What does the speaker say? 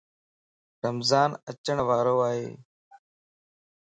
رمضان اچڻ وارائي